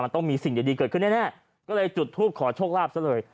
ต้องมีสิ่งดีเกิดขึ้นแน่ก็เลยจุดทูปขอโชคลาภซะเลย